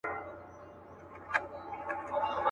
په رقيب چي مي اختر دي.